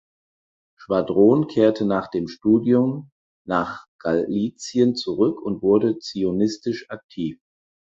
Schwadron kehrte nach dem Studium nach Galizien zurück und wurde zionistisch aktiv.